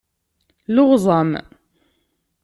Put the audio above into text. Leɣẓam.